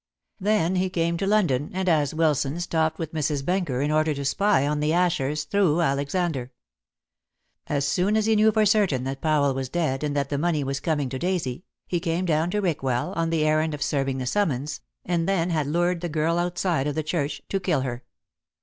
Then he came to London, and as Wilson stopped with Mrs. Benker in order to spy on the Ashers through Alexander. As soon as he knew for certain that Powell was dead and that the money was coming to Daisy, he came down to Rickwell on the errand of serving the summons, and then had lured the girl outside of the church to kill her.